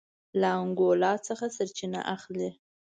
له انګولا څخه سرچینه اخلي.